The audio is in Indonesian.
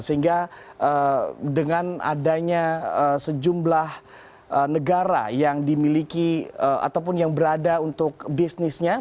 sehingga dengan adanya sejumlah negara yang dimiliki ataupun yang berada untuk bisnisnya